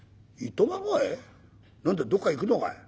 何だどっか行くのかい？